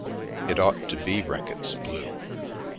It ought to be Reck itt's blue."